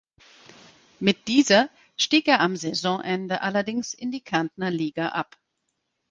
Mit dieser stieg er am Saisonende allerdings in die Kärntner Liga ab.